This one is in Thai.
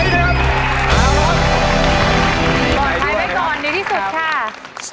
ใช้ไว้ก่อนดีที่สุดค่ะ